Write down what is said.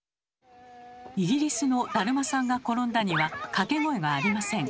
イギリスの「だるまさんがころんだ」には掛け声がありません。